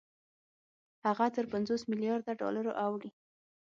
هغه تر پنځوس مليارده ډالرو اوړي